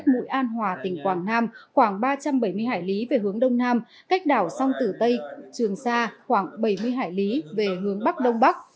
mũi an hòa tỉnh quảng nam khoảng ba trăm bảy mươi hải lý về hướng đông nam cách đảo song tử tây trường sa khoảng bảy mươi hải lý về hướng bắc đông bắc